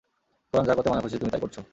কোরআন যা করতে মানা করেছে তুমি তাই করছো।